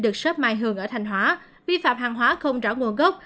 được sớp mai hường ở thanh hóa vi phạm hàng hóa không rõ nguồn gốc